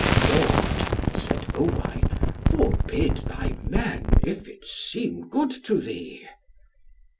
"Lord," said Owain, "forbid thy men if it seem good to thee."